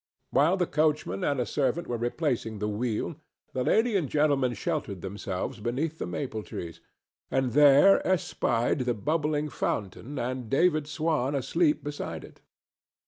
While the coachman and a servant were replacing the wheel the lady and gentleman sheltered themselves beneath the maple trees, and there espied the bubbling fountain and David Swan asleep beside it.